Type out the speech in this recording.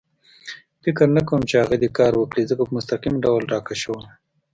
فکر نه کوم چې هغه دې کار وکړي، ځکه په مستقیم ډول را کشول.